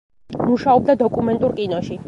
მუშაობდა დოკუმენტურ კინოში.